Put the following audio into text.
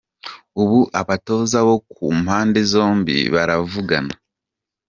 Ubu abatoza bo ku mpande zombie baravugana.